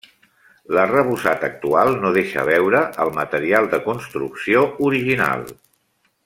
L'arrebossat actual no deixa veure el material de construcció original.